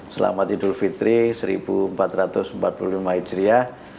selamat idul fitri seribu empat ratus empat puluh lima hijriah